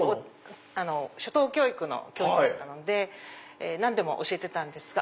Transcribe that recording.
初等教育の教員だったので何でも教えてたんですが。